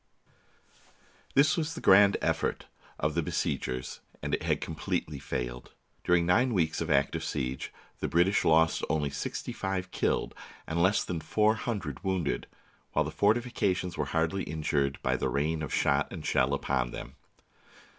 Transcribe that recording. This was the grand effort of the besiegers, and it had completely failed. During nine weeks of active siege the British lost only sixty five killed and less than four hundred wounded, while the for tifications were hardly injured by the rain of shot and shell upon them.